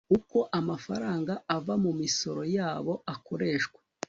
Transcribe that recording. uko amafaranga ava mu misoro yabo akoreshwa